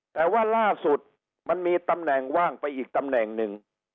แต่ว่าล่าสุดมันมีตำแหน่งว่างไปอีกตำแหน่งหนึ่ง